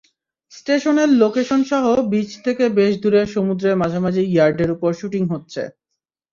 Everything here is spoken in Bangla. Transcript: স্টেশনের লোকেশনসহ বিচ থেকে বেশ দূরে সমুদ্রের মাঝামাঝি ইয়ার্ডের ওপর শুটিং হচ্ছে।